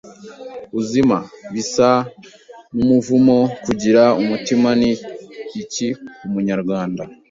uzima, bisa n’umuvumo Kugira umutima ni iki ku munyarwanda?